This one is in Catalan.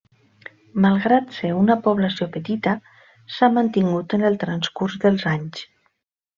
Malgrat ser una població petita s'ha mantingut en el transcurs dels anys.